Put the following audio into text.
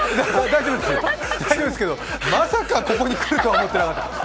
大丈夫ですけど、まさかここに来るとは思ってなかった。